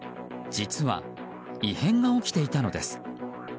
実は、異変が起きていたのです。